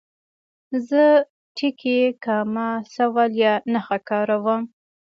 زه ټکي، کامه، سوالیه نښه کاروم.